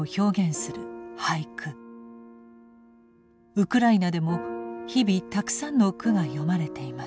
ウクライナでも日々たくさんの句が詠まれています。